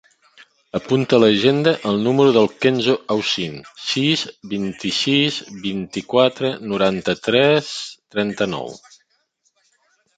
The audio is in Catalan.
Apunta a l'agenda el número del Kenzo Ausin: sis, vint-i-sis, vint-i-quatre, noranta-tres, trenta-nou.